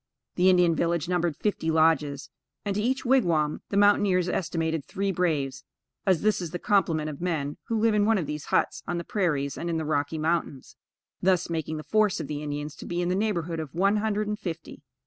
This Indian village numbered fifty lodges; and, to each wigwam, the mountaineers estimated three braves, as this is the complement of men who live in one of these huts on the prairies and in the Rocky Mountains; thus making the force of the Indians to be in the neighborhood of one hundred and fifty.